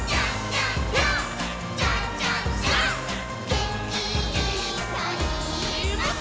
「げんきいっぱいもっと」